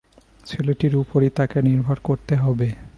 ছেলেটির উপরই তাঁকে নির্ভর করতে হবে!